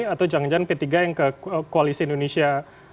atau jangan jangan p tiga yang ke koalisi indonesia